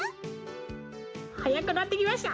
はやくなってきました！